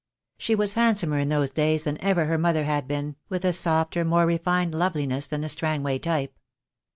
She was handsomer in those days than ever her mother had been, with a softer, more refined loveliness than the Strangway type.